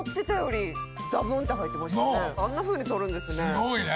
すごいね。